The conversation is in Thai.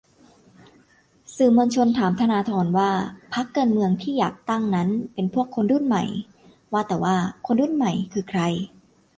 : สื่อมวลชนถามธนาธรว่าพรรคการเมืองที่อยากตั้งนั้นเป็นพวกคนรุ่นใหม่ ว่าแต่ว่า 'คนรุ่นใหม่' คือใคร ?